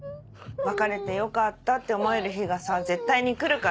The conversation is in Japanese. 別れてよかったって思える日が絶対に来るから。